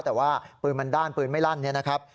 แต่ว่าปืนมันด้านปืนไม่ลั่นเนี่ยนะครับ